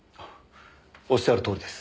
おっしゃるとおりです。